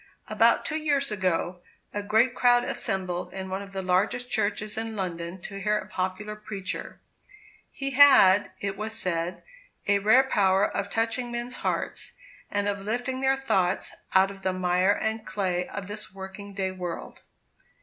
About two years ago, a great crowd assembled in one of the largest churches in London to hear a popular preacher. He had, it was said, a rare power of touching men's hearts, and of lifting their thoughts out of the mire and clay of this working day world.